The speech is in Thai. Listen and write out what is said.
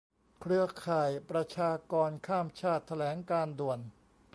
เครือข่ายประชากรข้ามชาติ แถลงการณ์ด่วน